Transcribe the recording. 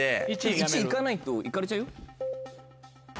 １位行かないと行かれちゃうよ。